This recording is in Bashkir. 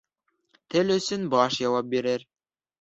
Тел өсөн баш яуап бирер.